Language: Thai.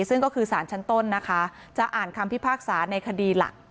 ซึ่งก็คือสารชั้นต้นนะคะจะอ่านคำพิพากษาในคดีหลัก